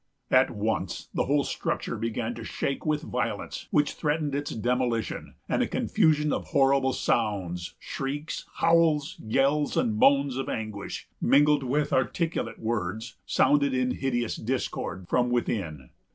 At once the whole structure began to shake with a violence which threatened its demolition; and a confusion of horrible sounds, shrieks, howls, yells, and moans of anguish, mingled with articulate words, sounded in hideous discord from within.